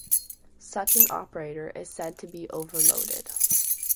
Such an operator is said to be "overloaded".